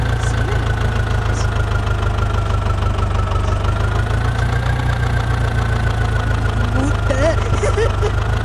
Zinātnieki esot atklājuši, ka mutes skalojamais varētu nogalināt Kovidu mutē.